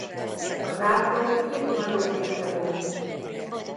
A zászló két nagyobb részre bomlik.